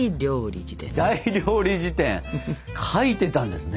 「大料理事典」書いてたんですね。